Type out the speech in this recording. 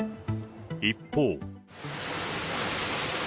一方。